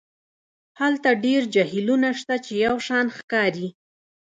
هلته ډیر جهیلونه شته چې یو شان ښکاري